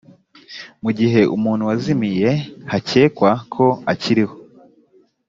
mu gihe umuntu wazimiye hakekwa ko akiriho